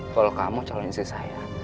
kalau kamu calon istri saya